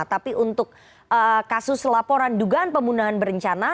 tapi untuk kasus laporan dugaan pembunuhan berencana